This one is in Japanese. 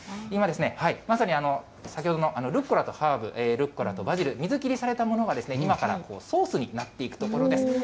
今、まさに先ほどのルッコラとハーブ、ルッコラとバジル、水切りされたものが今からソースになっていくところです。